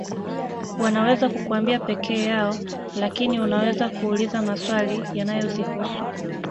Wanaweza kukuambia pekee yao lakini unaweza kuuliza maswali yanayozihusu